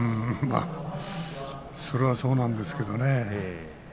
それはそうなんですけれどもね。